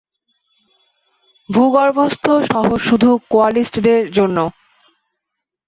ভূগর্ভস্থ শহর শুধু কোয়ালিস্টদের জন্যে।